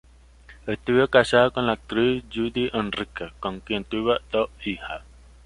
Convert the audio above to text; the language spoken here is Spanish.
Estuvo casado con la actriz Judy Henríquez con quien tuvo dos hijas.